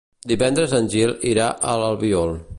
Divendres en Gil irà a l'Albiol.